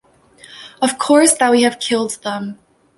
Of course that we have killed them.